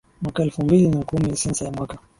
Mwaka elfu mbili na kumi Sensa ya mwaka